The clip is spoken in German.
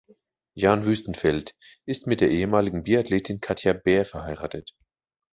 Jan Wüstenfeld ist mit der ehemaligen Biathletin Katja Beer verheiratet.